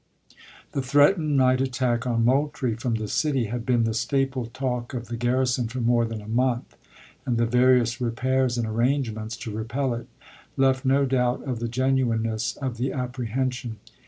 The threatened night attack on Moultrie from the city had been the staple talk of the garrison for more than a month, and the various repairs and arrangements to repel it left no doubt of the genuineness of the apprehension.